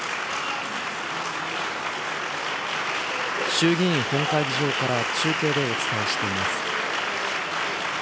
衆議院本会議場から中継でお伝えしています。